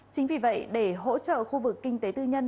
chính vì vậy để hỗ trợ khu vực kinh tế tư nhân